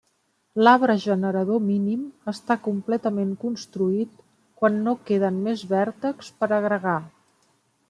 L'arbre generador mínim està completament construït quan no queden més vèrtexs per agregar.